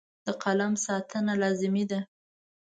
د قلم ساتنه لازمي ده.